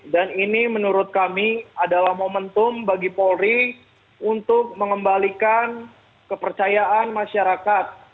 dan ini menurut kami adalah momentum bagi polri untuk mengembalikan kepercayaan masyarakat